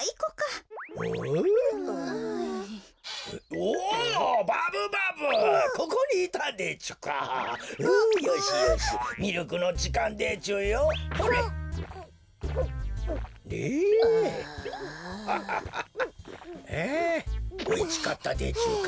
おいちかったでちゅか？